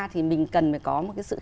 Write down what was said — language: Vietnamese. thì mình cần phải có một cái sự tham gia